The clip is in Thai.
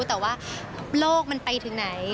แต่ว่าโลกมันไปถึงไหน